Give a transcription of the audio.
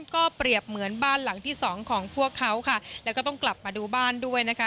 ก็เปรียบเหมือนบ้านหลังที่สองของพวกเขาค่ะแล้วก็ต้องกลับมาดูบ้านด้วยนะคะ